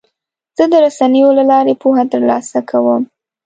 زه د رسنیو له لارې پوهه ترلاسه کوم.